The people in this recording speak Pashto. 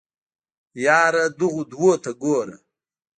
يره دغو دوو ته ګوره.